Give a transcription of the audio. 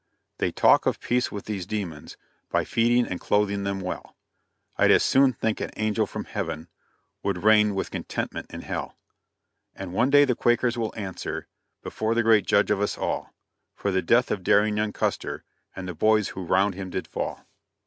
They talk of peace with these demons By feeding and clothing them well: I'd as soon think an angel from Heaven Would reign with contentment in H l And one day the Quakers will answer Before the great Judge of us all, For the death of daring young Custer And the boys who round him did fall.